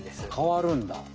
かわるんだ。